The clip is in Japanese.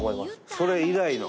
それ以来の。